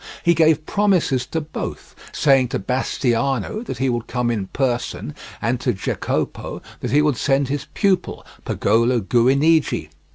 He gave promises to both, saying to Bastiano that he would come in person, and to Jacopo that he would send his pupil, Pagolo Guinigi.